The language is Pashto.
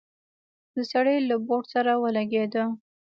د سړي له بوټ سره ولګېده.